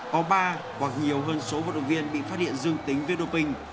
có ba hoặc nhiều hơn số vận động viên bị phát hiện dùng tính viên đô pình